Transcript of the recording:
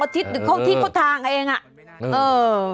๒๕เทียบทางเองเออ